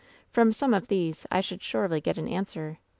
From some of these I should surely get an answer.